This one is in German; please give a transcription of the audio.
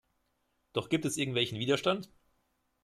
Doch gibt es irgendwelchen Widerstand?